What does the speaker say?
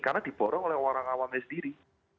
karena diborong oleh orang awamnya sendiri